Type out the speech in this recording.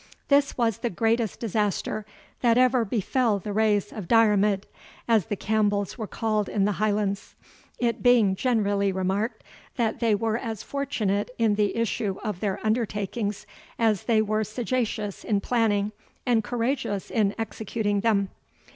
This was the greatest disaster that ever befell the race of Diarmid, as the Campbells were called in the Highlands; it being generally remarked that they were as fortunate in the issue of their undertakings, as they were sagacious in planning, and courageous in executing them.